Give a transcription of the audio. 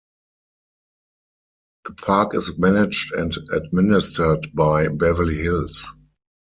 The park is managed and administered by Beverly Hills.